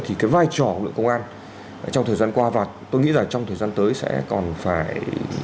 thì cái vai trò của lượng công an trong thời gian qua và tôi nghĩ là trong thời gian tới sẽ còn phải